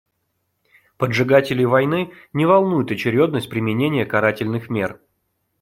Поджигателей войны не волнует очередность применения карательных мер.